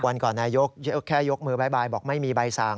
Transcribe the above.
วันก่อนนายกแค่ยกมือบ๊ายบอกไม่มีใบสั่ง